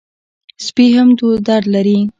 سپي هم درد لري.